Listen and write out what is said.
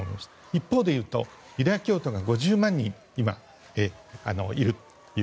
一方でいうとユダヤ教徒が５０万人今いるという。